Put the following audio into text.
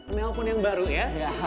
penelpon yang baru ya